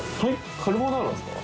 カルボナーラですか？